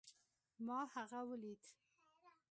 ما هغه وليد